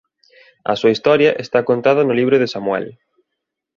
A súa historia está contada no Libro de Samuel.